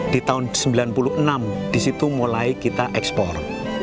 di tahun seribu sembilan ratus sembilan puluh enam disitu mulai kita ekspor